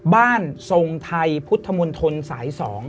บ้านทรงไทยพุทธมนตรสาย๒